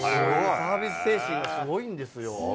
サービス精神がすごいんですよ。